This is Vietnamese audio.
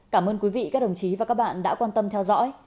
cảm ơn quý vị các đồng chí và các bạn đã quan tâm theo dõi